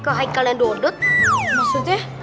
ke haikal dan dodot maksudnya